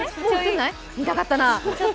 見たかったな。